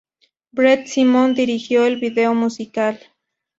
Brett Simon dirigió el video musical.